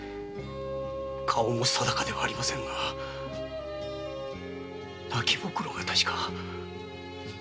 顔も定かではありませんが泣きぼくろが確か。